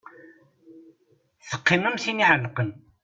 Teqqim am tin iɛelqen.